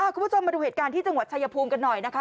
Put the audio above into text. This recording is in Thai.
คุณผู้ชมมาดูเหตุการณ์ที่จังหวัดชายภูมิกันหน่อยนะคะ